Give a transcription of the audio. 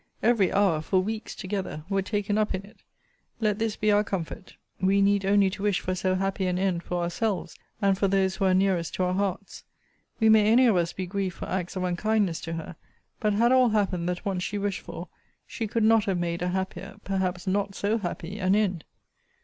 Every hour, for weeks together, were taken up in it. Let this be our comfort: we need only to wish for so happy an end for ourselves, and for those who are nearest to our hearts. We may any of us be grieved for acts of unkindness to her: but had all happened that once she wished for, she could not have made a happier, perhaps not so happy an end.